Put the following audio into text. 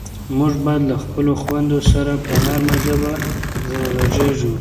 موږ باید له خپلو خویندو سره په نرمه ژبه غږېږو.